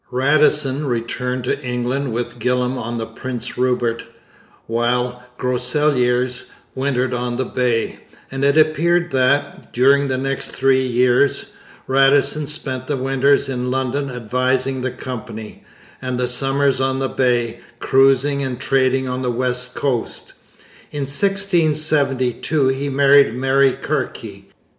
Radisson returned to England with Gillam on the Prince Rupert, while Groseilliers wintered on the Bay; and it appears that, during the next three years, Radisson spent the winters in London advising the Company, and the summers on the Bay, cruising and trading on the west coast. In 1672 he married Mary Kirke.